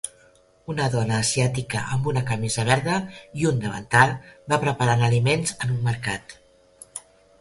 Una dona asiàtica amb una camisa verda i un davantal va preparant aliments en un mercat.